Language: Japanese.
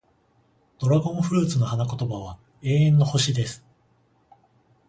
ドラゴンフルーツの花言葉は、永遠の星、です。